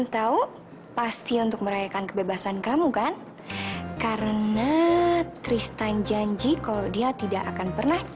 tahu pasti untuk merayakan kebebasan kamu kan karena tristan janji kalau dia tidak akan pernah